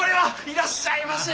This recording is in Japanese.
いらっしゃいませ。